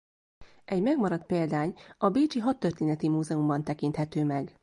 Egy megmaradt példány a bécsi Hadtörténeti Múzeumban tekinthető meg.